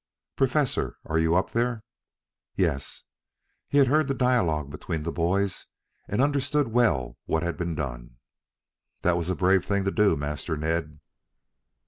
"Professor, are you up there?" "Yes." He had heard the dialogue between the boys, and understood well what had been done. "That was a brave thing to do, Master Ned."